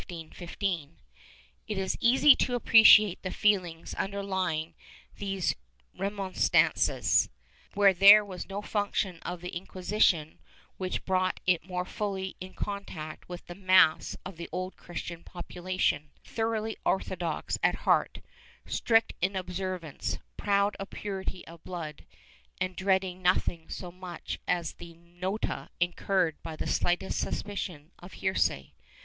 ^ It is easy to appreciate the feelings underlying these remon strances, for there was no function of the Inquisition which brought it more fully in contact with the mass of the Old Christian population, thoroughly orthodox at heart, strict in observance, proud of purity of blood, and dreading nothing so much as the nota incurred by the slightest suspicion of heresy.